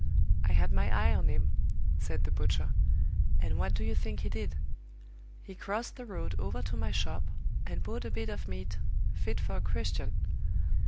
"I had my eye on him," said the butcher; "and what do you think he did? He crossed the road over to my shop, and bought a bit of meat fit for a Christian.